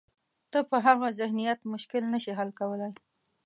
ته په هغه ذهنیت مشکل نه شې حل کولای.